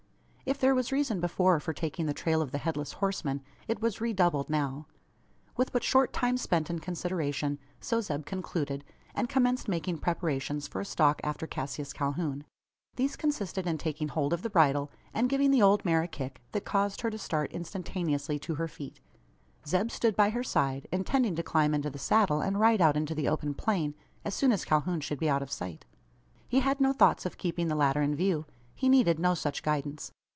If there was reason before for taking the trail of the Headless Horseman, it was redoubled now. With but short time spent in consideration, so Zeb concluded; and commenced making preparations for a stalk after Cassius Calhoun. These consisted in taking hold of the bridle, and giving the old mare a kick; that caused her to start instantaneously to her feet. Zeb stood by her side, intending to climb into the saddle and ride out into the open plain as soon as Calhoun should be out of sight. He had no thoughts of keeping the latter in view. He needed no such guidance.